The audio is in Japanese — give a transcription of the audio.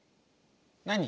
何？